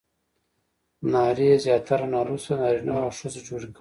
نارې زیاتره نالوستو نارینه وو او ښځو جوړې کړې دي.